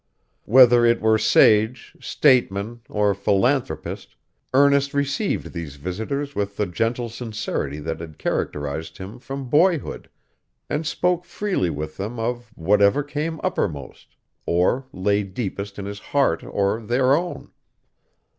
Whether it were sage, statesman, or philanthropist, Ernest received these visitors with the gentle sincerity that had characterized him from boyhood, and spoke freely with them of whatever came uppermost, or lay deepest in his heart or their own.